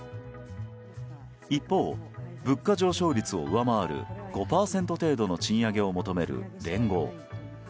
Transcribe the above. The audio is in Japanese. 一方、物価上昇率を上回る５％程度の賃上げを求める連合。